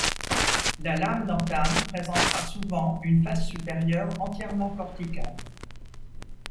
La lame d'entame présentera souvent une face supérieure entièrement corticale.